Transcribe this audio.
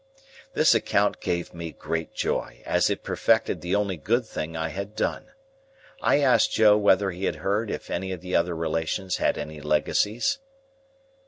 This account gave me great joy, as it perfected the only good thing I had done. I asked Joe whether he had heard if any of the other relations had any legacies?